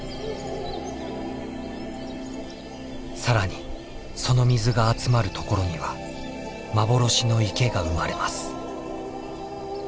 更にその水が集まる所には幻の池が生まれます。